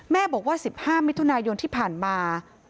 บอกว่า๑๕มิถุนายนที่ผ่านมา